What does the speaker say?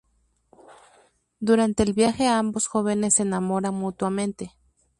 Durante el viaje ambos jóvenes se enamoran mutuamente.